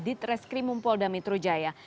ditreskri mumpolda metro jaya